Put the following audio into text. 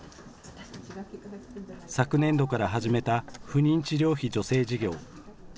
昨年度から始めた不妊治療費助成事業。